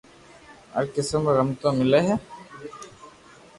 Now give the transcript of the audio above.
هر قسم رو رمتون ملو هي